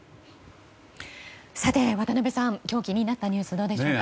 渡辺さん、今日気になったニュースはどうでしょうか。